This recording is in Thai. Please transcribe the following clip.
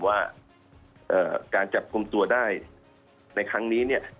ว่าการจับกลุ่มตัวได้ในครั้งนี้เนี่ย